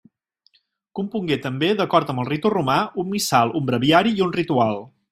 Compongué també, d'acord amb el ritu romà, un missal, un breviari i un ritual.